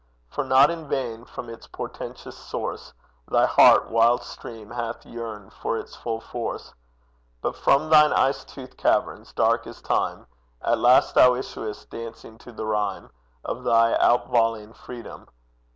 For not in vain from its portentous source, Thy heart, wild stream, hath yearned for its full force, But from thine ice toothed caverns dark as time At last thou issuest, dancing to the rhyme Of thy outvolleying freedom!